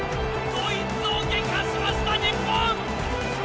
ドイツを撃破しました日本！